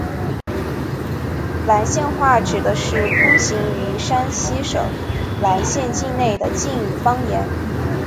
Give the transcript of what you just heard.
岚县话指的是通行于山西省岚县境内的晋语方言。